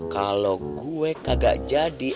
kalau gue kagak jadi